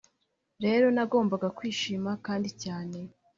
rero nagombaga kwishima kandi cyane”